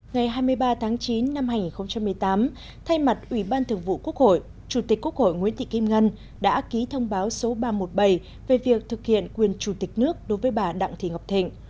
ngày hai mươi ba tháng chín năm hai nghìn một mươi tám thay mặt ủy ban thường vụ quốc hội chủ tịch quốc hội nguyễn thị kim ngân đã ký thông báo số ba trăm một mươi bảy về việc thực hiện quyền chủ tịch nước đối với bà đặng thị ngọc thịnh